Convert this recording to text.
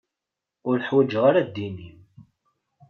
Ur ḥwaǧeɣ ara ddin-im.